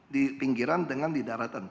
di pinggiran dengan di daratan